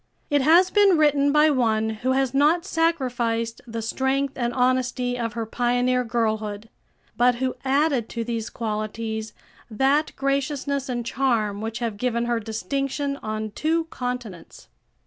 It has been written by one who has not sacrificed the strength and honesty of her pioneer girlhood, but who added to these qualities that graciousness and charm which have given her distinction on two continents.